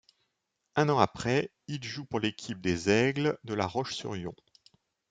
Un an après, il joue pour l'équipe des Aigles de La Roche sur Yon.